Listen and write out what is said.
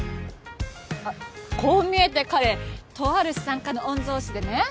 あっこう見えて彼とある資産家の御曹司でね